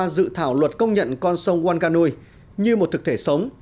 thông qua dự thảo luật công nhận con sông wanganui như một thực thể sống